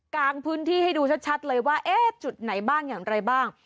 กลางพื้นที่ให้ดูชัดเลยว่าเอ๊ะจุดไหนบ้างอย่างไรบ้าง